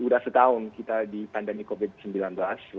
sudah setahun kita di pandemi covid sembilan belas